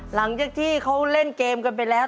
หลังจากที่เขาเล่นเกมกันไปแล้ว